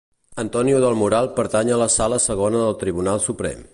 Antonio del Moral pertany a la Sala Segona del Tribunal Suprem.